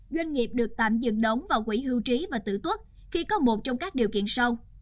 doanh nghiệp được tạm dừng đóng vào quỹ hưu trí và tử tuất khi có một trong các điều kiện sau